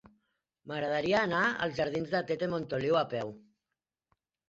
M'agradaria anar als jardins de Tete Montoliu a peu.